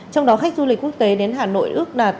trong đó khách du lịch quốc tế đến hà nội ước đạt